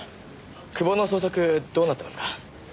久保の捜索どうなってますか？